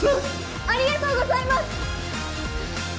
ありがとうございます！